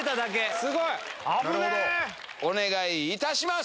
すごい。お願いいたします。